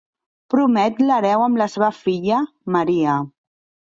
Promet l'hereu amb la seva filla, Maria.